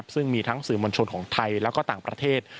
ซึ่งมีทั้งสื่อมวลชนของไทยแล้วก็ต่างประเทศ